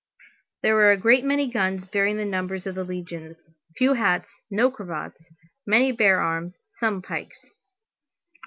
There were a great many guns bearing the numbers of the legions, few hats, no cravats, many bare arms, some pikes.